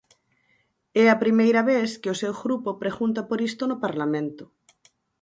É a primeira vez que o seu grupo pregunta por isto no Parlamento.